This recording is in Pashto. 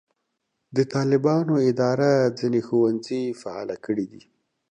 د طالبانو اداره ځینې ښوونځي فعاله کړي دي.